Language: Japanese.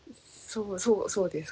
そうそうですか。